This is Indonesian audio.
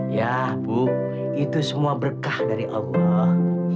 ya bu itu semua berkah dari allah